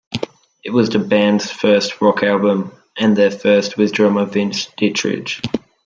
It was the band's first rock album, and their first with drummer Vince Ditrich.